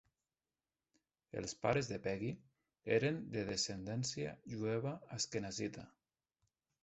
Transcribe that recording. Els pares de Peggy eren de descendència jueva asquenazita.